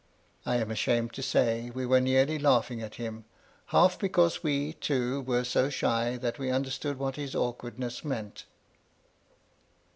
I am ashamed to say, we were nearly laughing at him ; half because we, too, were so shy that we understood what his awkwardness meant.